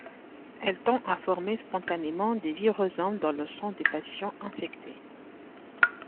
Elle tend à former spontanément des virosomes dans le sang des patients infectés.